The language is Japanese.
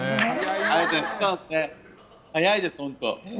早いです、本当。